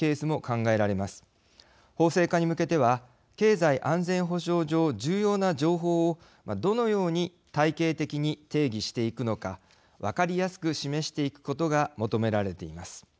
法制化に向けては経済安全保障上重要な情報をどのように体系的に定義していくのか分かりやすく示していくことが求められています。